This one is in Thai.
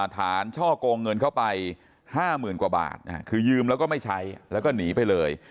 ช่อกงเงินเข้าไป๕๐๐๐กว่าบาทคือยืมแล้วก็ไม่ใช้แล้วก็หนีไปเลย